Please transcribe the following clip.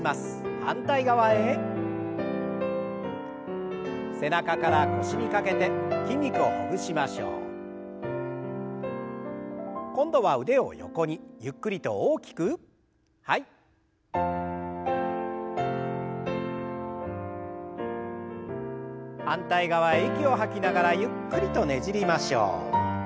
反対側へ息を吐きながらゆっくりとねじりましょう。